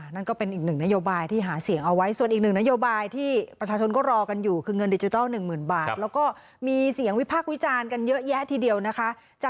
นั่นก็เป็นอีกหนึ่งนโยบายที่หาเสียงเอาไว้ส่วนอีกหนึ่งนโยบายที่ประชาชนก็รอกันอยู่คือเงินดิจิทัล๑๐๐๐บาทแล้วก็มีเสียงวิพากษ์วิจารณ์กันเยอะแยะทีเดียวนะคะ